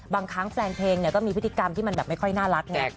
บางครั้งแฟนเพลงก็มีพฤติกรรมที่มันแบบไม่ค่อยน่ารักไง